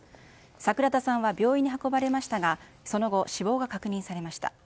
桜田さんは病院に運ばれましたがその後、死亡が確認されました。